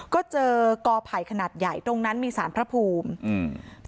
ก็เจอกอไผ่ขนาดใหญ่ตรงนั้นมีสารพระภูมิอืม